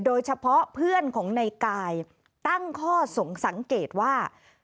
โดยเฉพาะเพื่อนของในกายตั้งข้อสงสัยว่า